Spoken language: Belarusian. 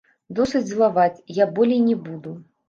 Досыць злаваць, я болей не буду!